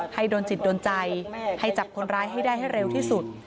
ให้โดนจิตโดนใจให้จับคนร้ายให้ได้ให้เร็วที่สุด